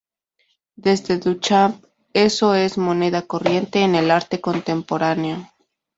Desde Duchamp eso es moneda corriente en el arte contemporáneo.